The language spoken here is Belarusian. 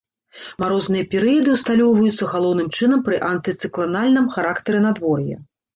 Марозныя перыяды ўсталёўваюцца галоўным чынам пры антыцыкланальным характары надвор'я.